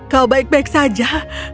kau baik baik saja